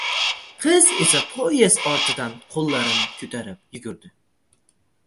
Qiz esa poyezd ortidan qoʻllarini koʻtarib yuguradi.